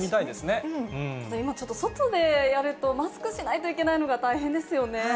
今ちょっと、外でやると、マスクしないといけないのが大変ですよね。